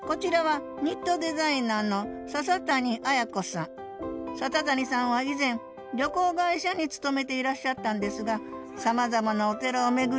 こちらは笹谷さんは以前旅行会社に勤めていらっしゃったんですがさまざまなお寺を巡り